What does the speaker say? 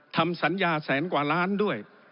ทำสัญญาแสนกว่าล้านด้วย